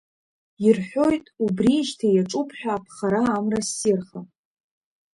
Ирҳәоит убрижьҭеи иаҿуп ҳәа аԥхара Амра ссирха.